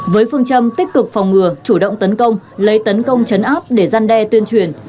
với phương châm tích cực phòng ngừa chủ động tấn công lấy tấn công chấn áp để gian đe tuyên truyền